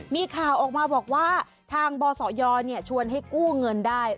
มีข่าวออกมาบอกว่าทางบศยชวนให้กู้เงินได้